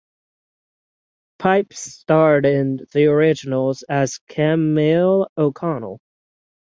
Pipes starred in "The Originals" as Camille O'Connell.